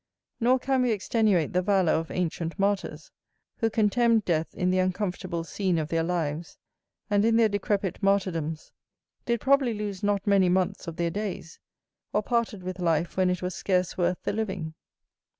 Nor can we extenuate the valour of ancient martyrs, who contemned death in the uncomfortable scene of their lives, and in their decrepit martyrdoms did probably lose not many months of their days, or parted with life when it was scarce worth the living.